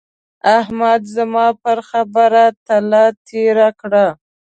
احمد زما پر خبره تله تېره کړه.